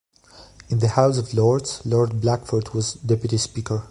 In the House of Lords, Lord Blackford was Deputy Speaker.